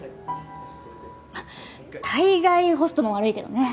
まあ大概ホストも悪いけどね。